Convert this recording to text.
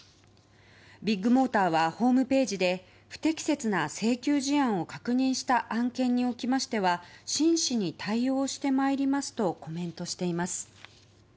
ビッグモーターはホームページで不適切な請求事案を確認した案件におきましては真摯に対応してまいりますとコメントしています。